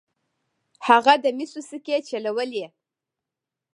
هغه د مسو سکې چلولې.